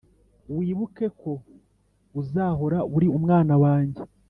wibuke ko uzahora uri umwana wanjye